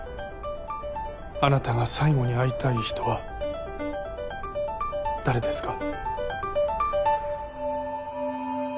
あなたが最後に会いたい人は誰ですか？